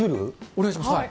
お願いします。